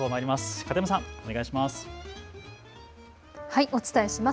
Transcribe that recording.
片山さん、お願いします。